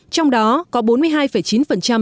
trong đó có bốn mươi hai triệu đồng tiền của việt nam